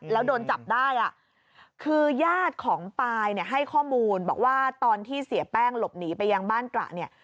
แล้วโดนจับได้อ่ะคือญาติของปายเนี่ยให้ข้อมูลบอกว่าตอนที่เสียแป้งหลบหนีไปยังบ้านตระเนี่ย